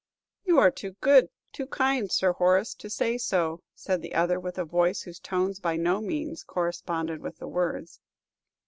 "You are too good, too kind, Sir Horace, to say so," said the other, with a voice whose tones by no means corresponded with the words.